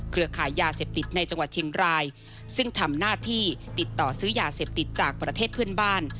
ขายยาเสพติดในจังหวัดเชียงรายซึ่งทำหน้าที่ติดต่อซื้อยาเสพติดจากประเทศเพื่อนบ้าน